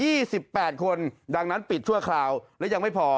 มีอีก๒๘คนดังนั้นปิดทั่วคราวและยังไม่พอ